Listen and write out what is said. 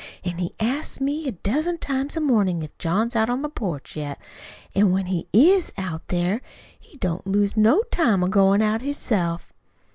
An' he asks me a dozen times a mornin' if John's out on the porch yet. An' when he IS out there, he don't lose no time in goin' out hisself."